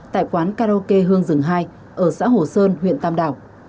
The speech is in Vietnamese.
tại quán karaoke hương rừng hai ở xã hồ sơn huyện tam đảo